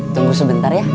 tunggu sebentar ya